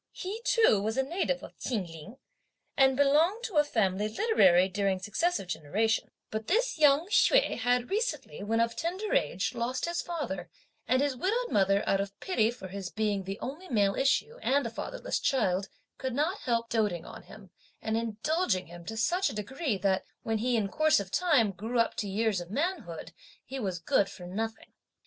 He too was a native of Chin Ling and belonged to a family literary during successive generations; but this young Hsüeh had recently, when of tender age, lost his father, and his widowed mother out of pity for his being the only male issue and a fatherless child, could not help doating on him and indulging him to such a degree, that when he, in course of time, grew up to years of manhood, he was good for nothing.